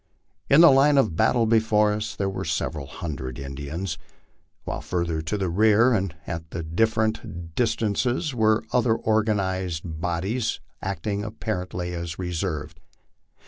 In the line of battle before us there were several hundred Indians, while further to the rear and at different dis Dances were other organized bodies acting apparently as reserves.